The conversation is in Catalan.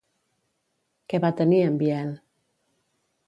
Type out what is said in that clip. Què va tenir en Biel?